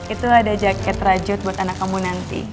itu ada jaket rajut buat anak kamu nanti